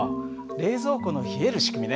冷蔵庫の冷える仕組みね。